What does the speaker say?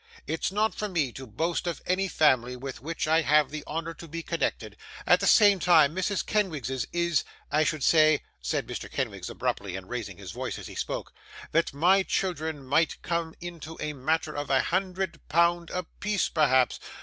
It's not for me to boast of any family with which I have the honour to be connected; at the same time, Mrs Kenwigs's is I should say,' said Mr. Kenwigs, abruptly, and raising his voice as he spoke, 'that my children might come into a matter of a hundred pound apiece, perhaps.